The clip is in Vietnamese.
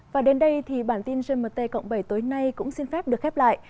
và đến đây thì bản tin gmt cộng bảy tối nay cũng xin phép được khép lại